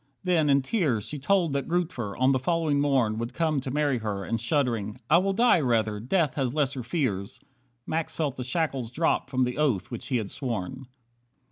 Then, in tears, She told that Grootver, on the following morn, Would come to marry her, and shuddering: "I will die rather, death has lesser fears." Max felt the shackles drop from the oath which he had sworn.